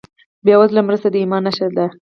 بېوزله مرسته د ایمان نښه ده.